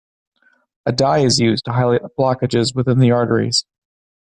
A dye is used to highlight blockages within the arteries.